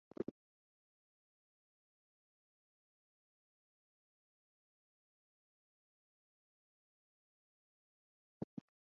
For shortwave broadcasting several directional antennas and a curtain antenna are used.